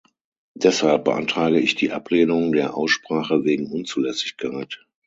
Deshalb beantrage ich die Ablehnung der Aussprache wegen Unzulässigkeit.